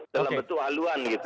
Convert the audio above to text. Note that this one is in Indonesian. dalam bentuk haluan gitu